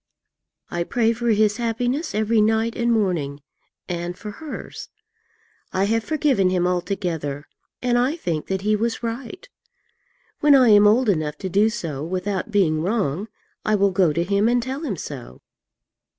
I pray for his happiness every night and morning, and for hers. I have forgiven him altogether, and I think that he was right. When I am old enough to do so without being wrong, I will go to him and tell him so.